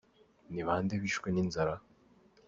– Ni bande bishwe n’inzara ?